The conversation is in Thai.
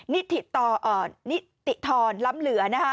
นิติธรณ์ล้ำเหลือ